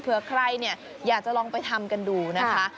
เผื่อใครเนี่ยอยากจะลองไปทำกันดูนะคะ